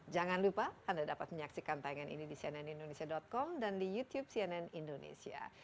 jangan lupa anda dapat menyaksikan tayangan ini di cnnindonesia com dan di youtube cnn indonesia